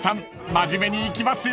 真面目にいきますよ］